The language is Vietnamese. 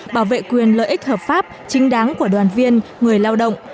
bảo vệ quyền lợi ích hợp pháp chính đáng của đoàn viên người lao động